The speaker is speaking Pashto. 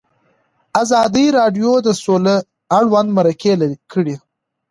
ازادي راډیو د سوله اړوند مرکې کړي.